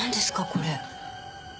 これ。